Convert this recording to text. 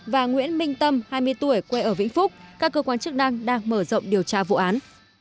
và nguyễn minh tâm hai mươi tuổi quê ở vĩnh phúc các cơ quan chức năng đang mở rộng điều tra vụ án